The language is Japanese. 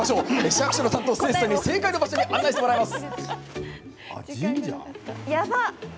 市役所の担当、末石さんに正解の場所に案内してもらいます。